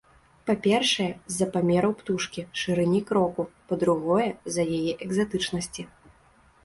Па-першае, з-за памераў птушкі, шырыні кроку, па-другое, з-за яе экзатычнасці.